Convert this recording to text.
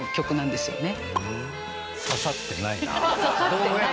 刺さってない？